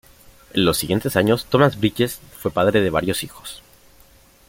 En los siguientes años Thomas Bridges fue padre de varios hijos.